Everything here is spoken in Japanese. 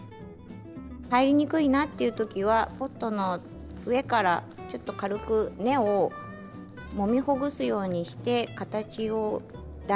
入りにくいなっていう時はポットの上からちょっと軽く根をもみほぐすようにして形をだ